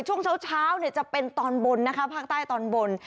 ช่วงเช้าเช้าเนี่ยจะเป็นตอนบนนะคะภาคใต้ตอนบน